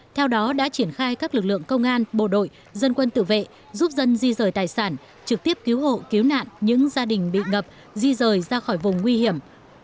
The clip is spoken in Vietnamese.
theo đó đã triển khai các lực lượng công an bộ đội dân quân tự vệ giúp dân di rời tài sản trực tiếp cứu hộ cứu nạn những gia đình bị ngập di rời ra khỏi vùng nguy hiểm